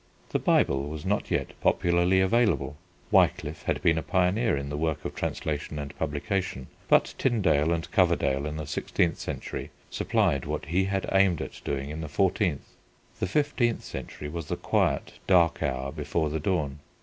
The Bible was not yet popularly available. Wiclif had been a pioneer in the work of translation and publication, but Tyndale and Coverdale in the sixteenth century supplied what he had aimed at doing in the fourteenth. The fifteenth century was the quiet dark hour before the dawn.